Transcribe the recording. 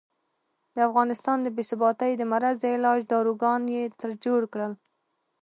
د افغانستان د بې ثباتۍ د مرض د علاج داروګان یې ترې جوړ کړل.